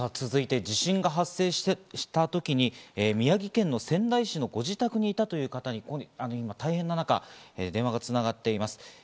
続いて地震が発生した時に宮城県の仙台市のご自宅にいたという方にこの大変な中、電話が繋がっています。